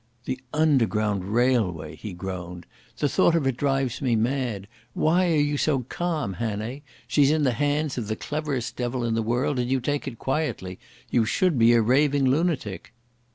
"The Underground Railway!" he groaned. "The thought of it drives me mad. Why are you so calm, Hannay? She's in the hands of the cleverest devil in the world, and you take it quietly. You should be a raving lunatic."